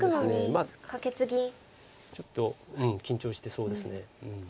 まあちょっとうん緊張してそうです。